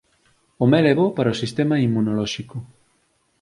O mel é bo para o sistema inmunolóxico